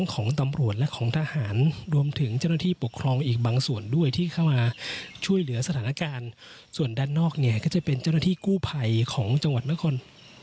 ก็จะเป็นเจ้าหน้าที่กู้ภัยของจังหวัดมะคล